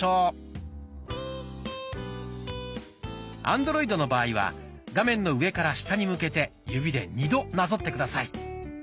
アンドロイドの場合は画面の上から下に向けて指で２度なぞって下さい。